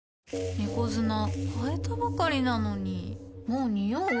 猫砂替えたばかりなのにもうニオう？